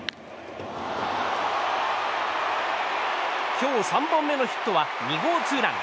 今日３本目のヒットは２号ツーラン。